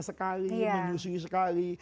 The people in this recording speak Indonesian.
sekali menyusui sekali